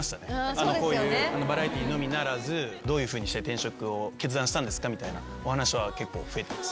こういうバラエティーのみならずどういうふうにして転職を決断したんですかみたいなお話は結構増えてます。